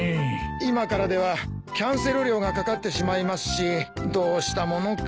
今からではキャンセル料がかかってしまいますしどうしたものか。